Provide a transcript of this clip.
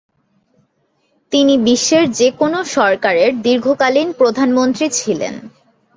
তিনি বিশ্বের যে কোনও সরকারের দীর্ঘকালীন প্রধানমন্ত্রী ছিলেন।